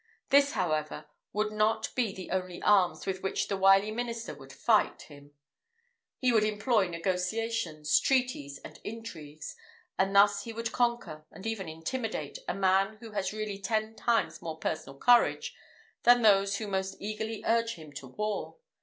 This, however, would not be the only arms with which the wily minister would fight him: he would employ negotiations, treaties, and intrigues; and thus he would conquer, and even intimidate, a man who has really ten times more personal courage than those who most eagerly urge him to war.